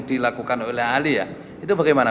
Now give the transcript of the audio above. dilakukan oleh ahli ya itu bagaimana